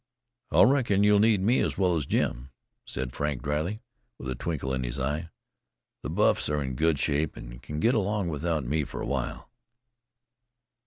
"I reckon you'll need me, as well as Jim," said Frank dryly, with a twinkle in his eye. "The buffs are in good shape an' can get along without me for a while."